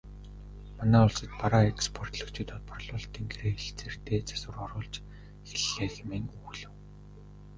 Манай улсад бараа экспортлогчид борлуулалтын гэрээ хэлэлцээртээ засвар оруулж эхэллээ хэмээн өгүүлэв.